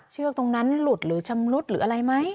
เชือกตรงนั้นหลุดหรือชำรุดหรืออะไรไหม